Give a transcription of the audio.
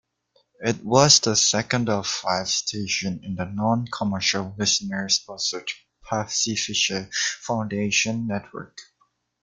It was the second of five stations in the non-commercial, listener-sponsored Pacifica Foundation network.